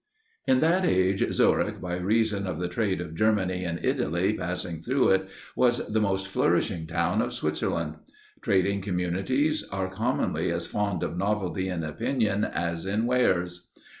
In that age Zurich, by reason of the trade of Germany and Italy passing through it, was the most flourishing town of Switzerland. Trading communities are commonly as fond of novelty in opinion as in wares.